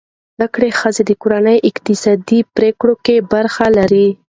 زده کړه ښځه د کورنۍ اقتصادي پریکړې کې برخه لري.